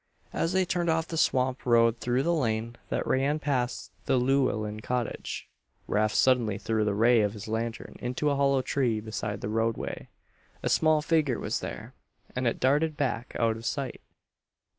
As they turned off the swamp road through the lane that ran past the Llewellen cottage, Rafe suddenly threw the ray of his lantern into a hollow tree beside the roadway. A small figure was there, and it darted back out of sight.